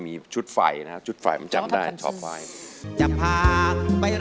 พูดไว้มาตลอดมี